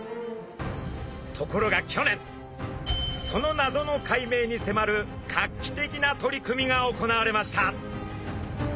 ところが去年その謎の解明に迫る画期的な取り組みが行われました。